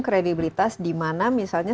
kredibilitas di mana misalnya